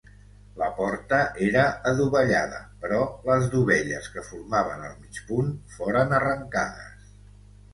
La porta era adovellada, però les dovelles que formaven el mig punt foren arrencades.